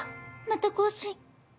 また更新。